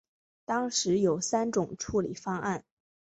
当时有三种处理方案。